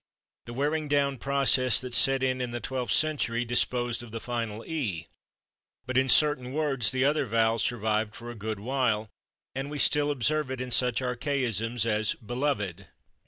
The wearing down process that set in in the twelfth century disposed [Pg201] of the final /e/, but in certain words the other vowel survived for a good while, and we still observe it in such archaisms as /belovéd